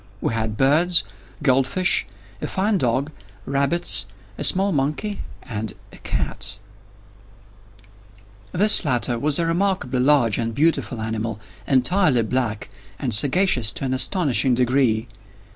We had birds, gold fish, a fine dog, rabbits, a small monkey, and a cat. This latter was a remarkably large and beautiful animal, entirely black, and sagacious to an astonishing degree.